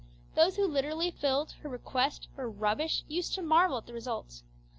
Those who literally fulfilled her request for 'rubbish' used to marvel at the results.